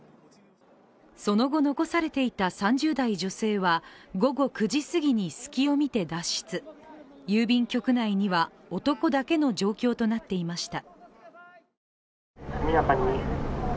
その後残されていた３０代女性は午後９時すぎに隙を見て脱出、郵便局内には男だけの状態となっていました。